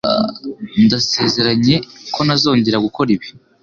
Ndasezeranye ko ntazongera gukora ibi.